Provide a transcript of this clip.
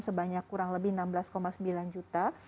sebanyak kurang lebih enam belas sembilan juta